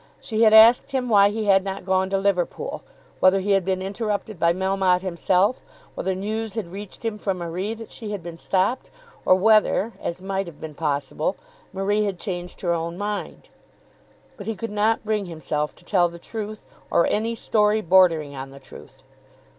She had asked him why he had not gone to Liverpool, whether he had been interrupted by Melmotte himself, whether news had reached him from Marie that she had been stopped, or whether, as might have been possible, Marie had changed her own mind. But he could not bring himself to tell the truth, or any story bordering on the truth.